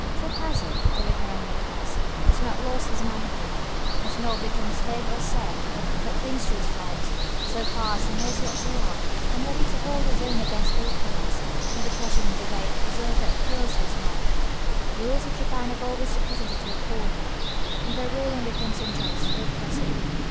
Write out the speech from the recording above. The peasant, though ignorant and oppressed, has not lost his manhood; has not become a slave or a serf, but clings to his rights, so far as he knows what they are; and is ready to hold his own against all comers, when the question in debate is one that appeals to his mind. The rulers of Japan have always the peasantry to reckon with when their ruling becomes unjust or oppressive.